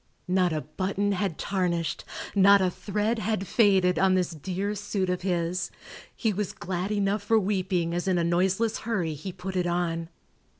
Not a button had tarnished, not a thread had faded on this dear suit of his; he was glad enough for weeping as in a noiseless hurry he put it on.